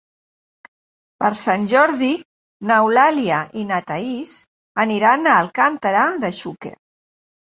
Per Sant Jordi n'Eulàlia i na Thaís aniran a Alcàntera de Xúquer.